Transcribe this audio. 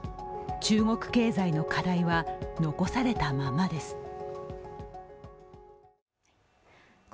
中国経済の課題は残されたままです。